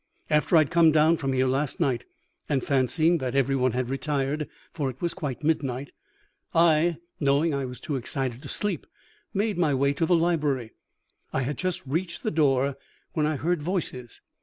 After I had come down from here last night, and fancying that every one had retired, for it was quite midnight, I, knowing I was too excited to sleep, made my way to the library. I had just reached the door when I heard voices.